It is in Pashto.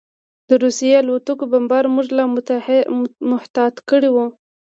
د روسي الوتکو بمبار موږ لا محتاط کړي وو